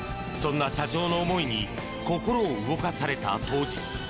そんな社長の思いに心を動かされた杜氏。